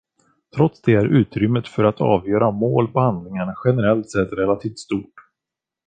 Trots det är utrymmet för att avgöra mål på handlingarna generellt sett relativt stort.